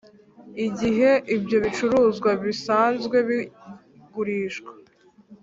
igihe ibyo bicuruzwa bisanzwe bigurishwa